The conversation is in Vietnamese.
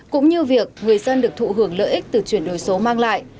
cũng như việc người dân được thụ hưởng lợi ích từ chuyển đổi số mang lại